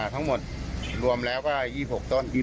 ทั้งหมดรวมแล้วก็๒๖ต้น